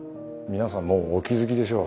皆さんもうお気付きでしょう。